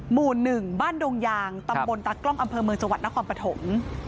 หมู่๑บ้านดงยางตำบลตากล้องอำเภอเมืองจังหวัดนครปฐม